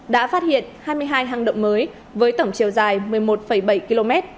đã phát hiện hai mươi hai hang động mới với tổng chiều dài một mươi một bảy km